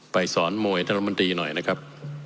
ไปสอนมวยท่านอธิรัติหน่อยนะครับ